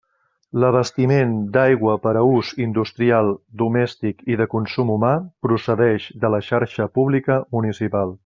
L'abastiment d'aigua per a ús industrial, domèstic i de consum humà procedix de la xarxa pública municipal.